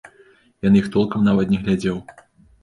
Я на іх толкам нават не глядзеў.